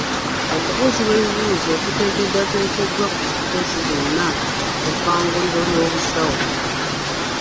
Okubuuzibwa ebibuuzo kuteekeddwateekeddwa ku kkoosi zonna ku bbanguliro ly'obusawo.